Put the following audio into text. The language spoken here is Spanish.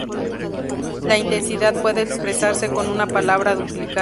La intensidad puede expresarse con una palabra duplicada.